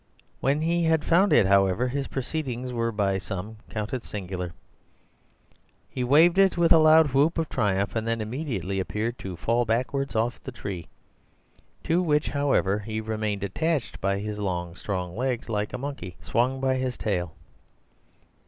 When he had found it, however, his proceedings were by some counted singular. He waved it with a loud whoop of triumph, and then immediately appeared to fall backwards off the tree, to which, however, he remained attached by his long strong legs, like a monkey swung by his tail.